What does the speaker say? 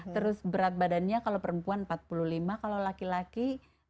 terus berat badannya kalau perempuan empat puluh lima kalau laki laki